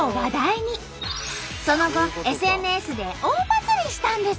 その後ＳＮＳで大バズリしたんです！